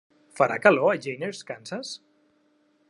Farà calor a Jenners Kansas?